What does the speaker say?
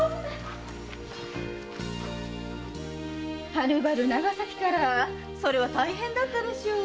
はるばる長崎からそれは大変だったでしょう。